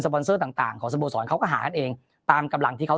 ปอนเซอร์ต่างต่างของสโมสรเขาก็หากันเองตามกำลังที่เขา